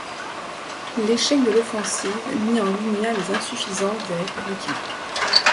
L'échec de l'offensive mit en lumière les insuffisances des républicains.